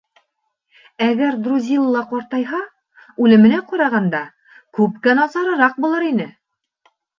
Әгәр Друзилла ҡартайһа, үлеменә ҡарағанда, күпкә насарыраҡ булыр ине.